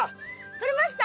とれました？